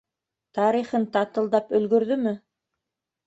«тарихын» татылдап өлгөрҙөмө?